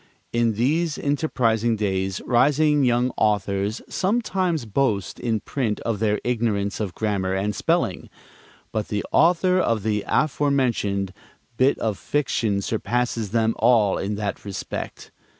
In these enterprising days rising young authors sometimes boast in print of their ignorance of grammar and spelling, but the author of the aforementioned bit of fiction surpasses them all in that respect.